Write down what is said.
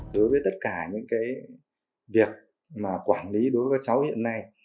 đối với tất cả những việc mà quản lý đối với các cháu hiện nay